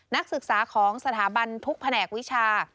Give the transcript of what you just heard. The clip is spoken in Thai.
นักศึกษาของสถาบันทุกแผนกวิชา